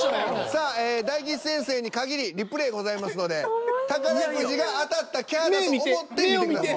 さあええ大吉先生に限りリプレイございますので宝くじが当たった「きゃー」だと思って見てください。